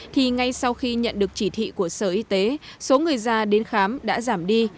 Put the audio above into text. thì ngay sau khi nhận được chỉ thị của sở y tế số người già đến khám đã giảm đi